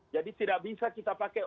jadi tidak bisa kita pakai